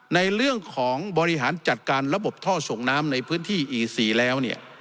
ในเรื่องของบริหารจัดการระบบท่อส่งน้ำในพื้นที่อีซีแล้วเนี่ย